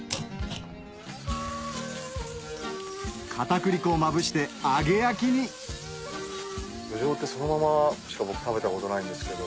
片栗粉をまぶして揚げ焼きにどじょうってそのまましか食べたことないんですけど。